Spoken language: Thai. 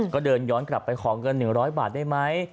ก็เดินย้อนกลับไปขอเงินหนึ่งร้อยบาทได้ไหม